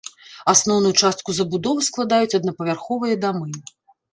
Асноўную частку забудовы складаюць аднапавярховыя дамы.